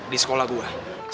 di sekolah gua